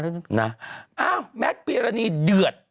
เอาแมทปีรณีเดือด